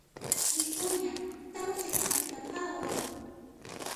Wik'uñaqa tawa chakimanta phawan.